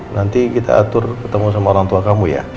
nanti kita atur ketemu sama orang tua kamu ya